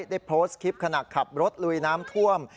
ได้โพสต์คลิปขณะขับรถลุยน้ำท่วม